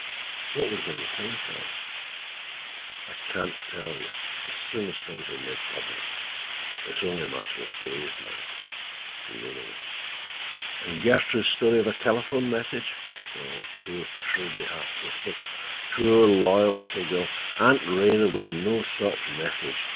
"What was in the telegram?" "I can tell you—as soon as certain things are made public. It is only a matter of days now," gloomily. "And Gertrude's story of a telephone message?" "Poor Trude!" he half whispered. "Poor loyal little girl! Aunt Ray, there was no such message.